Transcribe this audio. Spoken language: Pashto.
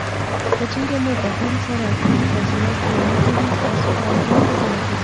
که چېرې مو بدن سره کمه فاصله کې مټې وي ستاسې ارامتیا ښودنه کوي.